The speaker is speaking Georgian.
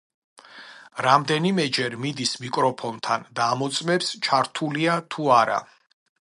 რამდენიმეჯერ მიდის მიკროფონთან და ამოწმებს ჩართულია თუ არა.